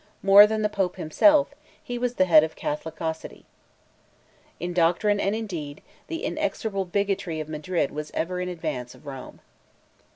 More than the Pope himself, he was the head of Catholicity. In doctrine and in deed, the inexorable bigotry of Madrid was ever in advance of Rome.